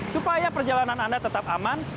supaya perjalanan anda tetap aman